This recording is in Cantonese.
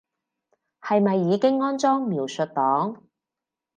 係咪已經安裝描述檔